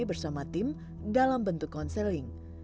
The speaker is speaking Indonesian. bersama tim dalam bentuk konseling